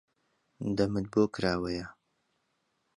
دەمت بۆ کراوەیە؟